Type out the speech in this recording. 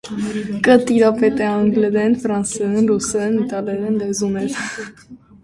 Կը տիրապետէ անգլերէն, ֆրանսերէն, ռուսերէն, իտալերէն լեզուներուն։